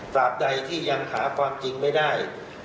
ใดที่ยังหาความจริงไม่ได้